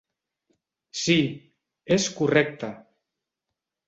Sí, és correcte.